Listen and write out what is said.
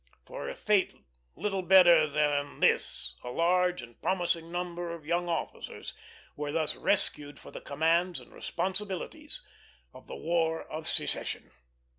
From a fate little better than this a large and promising number of young officers were thus rescued for the commands and responsibilities of the War of Secession.